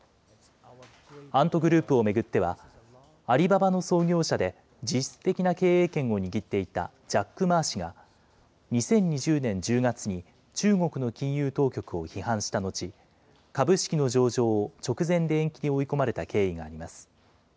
アントグループを巡っては、アリババの創業者で実質的経営権を握っていたジャック・マー氏が２０２０年１０月に中国の金融当局を批判した後、株式の上場を直前で延期に追い込まれた経緯があります。